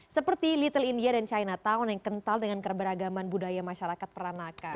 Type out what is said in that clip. seperti little india dan chinatown yang kental dengan keberagaman budaya masyarakat peranakan